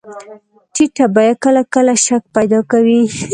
ټیټه بیه کله کله شک پیدا کوي.